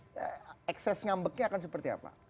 dampak ngabeknya akan seperti apa